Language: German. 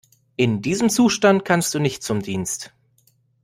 In diesem Zustand kannst du nicht zum Dienst.